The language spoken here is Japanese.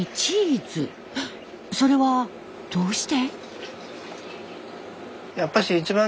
それはどうして？